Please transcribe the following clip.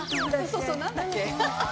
そうそうなんだっけ？